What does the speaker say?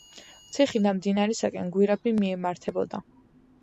ციხიდან მდინარისაკენ გვირაბი მიემართებოდა.